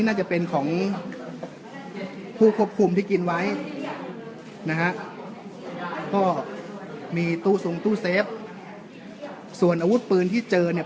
นะฮะก็มีตู้สูงตู้เซฟส่วนอาวุธปืนที่เจอเนี้ย